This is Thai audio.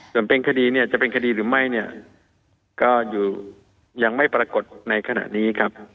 ส่วนเป็นคดีเนี่ยจะเป็นคดีหรือไม่เนี่ยก็อยู่ยังไม่ปรากฏในขณะนี้ครับ